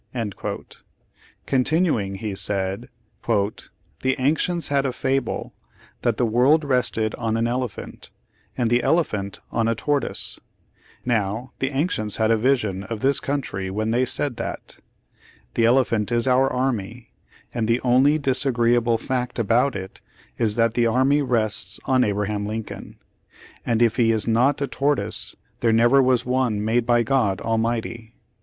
Con tinuing, he said : "The ancients had a fable that the world rested on an elephant, and the elephant on a tortoise. Now, the ancients had a vision of this country when they said that. The elephant is our army, and the only disag:reeable fact about it is that that army rests on Abraham Lincoln; and if he is not a tortoise, there never was one made by God Almighty.